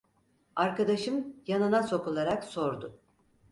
Arkadaşım yanına sokularak sordu.